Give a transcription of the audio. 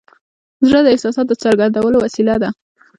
زړه د احساساتو د څرګندولو وسیله ده.